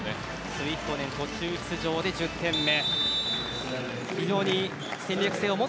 スイヒコネン途中出場で１０点目。